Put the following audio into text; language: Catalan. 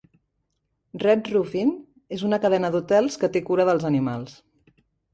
Red Roof Inn és una cadena d"hotels que te cura dels animals.